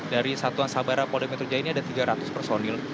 dari satuan sabara polda metro jaya ini ada tiga ratus personil